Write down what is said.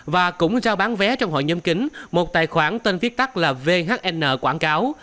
và cũng giao bán vé trong hội nhóm kính một tài khoản tên viết tắt là vhn quảng cáo